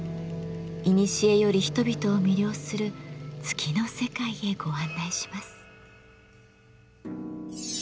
いにしえより人々を魅了する月の世界へご案内します。